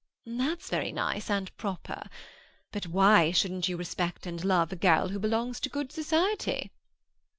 "That's very nice and proper. But why shouldn't you respect and love a girl who belongs to good society?"